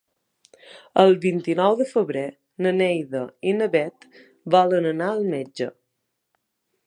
El vint-i-nou de febrer na Neida i na Bet volen anar al metge.